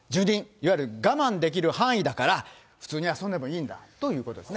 いわゆる我慢できる範囲だから、普通に遊んでもいいんだということですね。